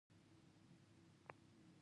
لمسی د کور چراغ بل ساتي.